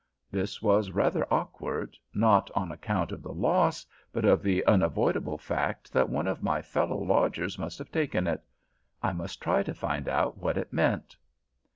This was rather awkward, not on account of the loss, but of the unavoidable fact that one of my fellow lodgers must have taken it. I must try to find out what it meant.